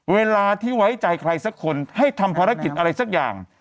เวลาที่ไว้ใจใครสักคนให้ทำภารกิจอะไรสักอย่าง